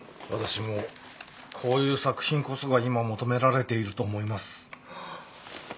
私もこういう作品こそが今求められていると思います。